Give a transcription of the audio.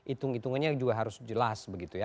itung itungannya juga harus jelas begitu ya